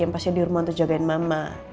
yang pasti di rumah untuk jagain mama